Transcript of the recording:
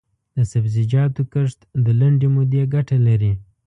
د سبزیجاتو کښت د لنډې مودې ګټه لري.